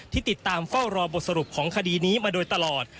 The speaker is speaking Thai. ติดตามเฝ้ารอบทสรุปของคดีนี้มาโดยตลอด